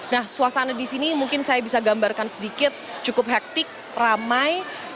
nah suasana di sini mungkin saya bisa gambarkan sedikit cukup hektik ramai